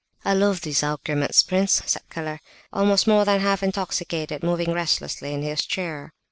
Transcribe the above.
"I love these arguments, prince," said Keller, also more than half intoxicated, moving restlessly in his chair.